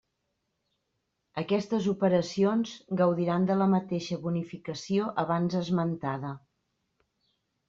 Aquestes operacions gaudiran de la mateixa bonificació abans esmentada.